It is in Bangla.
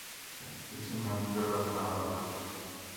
কিছু নিউজপেপার দেওয়া হবে।